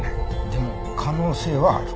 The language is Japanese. でも可能性はある。